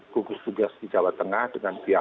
gugus tugas di jawa tengah dengan pihak